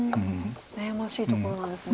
悩ましいところなんですね。